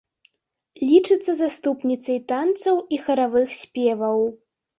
Лічыцца заступніцай танцаў і харавых спеваў.